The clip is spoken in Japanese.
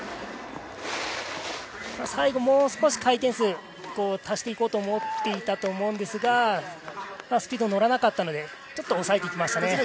最後もう少し回転数足していこうと思ったんですがスピード乗らなかったので抑えていきましたね。